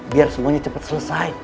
biar semuanya cepet selesai